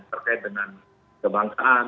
terkait dengan kebangsaan